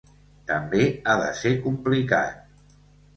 També ha de ser complicat.